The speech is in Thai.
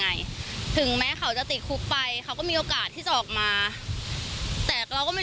ไงถึงแม้เขาจะติดคุกไปเขาก็มีโอกาสที่จะออกมาแต่เราก็ไม่